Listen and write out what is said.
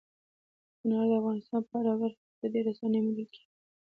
انار د افغانستان په هره برخه کې په ډېرې اسانۍ موندل کېږي.